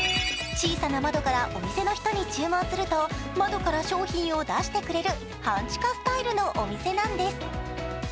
小さな窓からお店の人に注文すると窓から消費を出してくれる半地下スタイルのお店なんです。